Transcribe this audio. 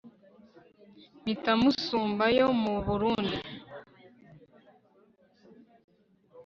Mpita Musumba yo mu Burundi